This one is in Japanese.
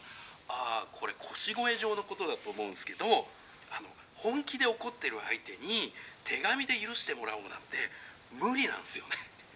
あこれ『腰越状』のことだと思うんすけどあの本気で怒ってる相手に手紙で許してもらおうなんて無理なんすよね」。